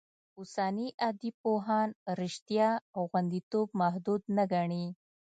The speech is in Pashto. اوسني ادبپوهان رشتیا غوندېتوب محدود نه ګڼي.